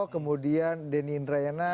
kemudian denny indrayana